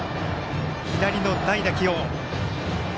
左の代打起用。